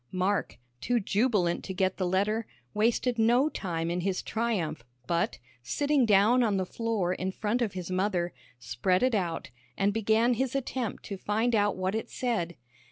Mark, too jubilant to get the letter, wasted no time in his triumph, but, sitting down on the floor in front of his mother, spread it out, and began his attempt to find out what it said.